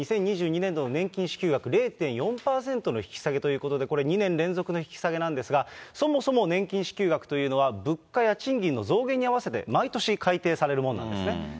２０２２年度の年金支給額０．４％の引き下げということで、これ、２年連続の引き下げなんですが、そもそも年金支給額というのは、物価や賃金の増減に合わせて、毎年改定されるものなんですね。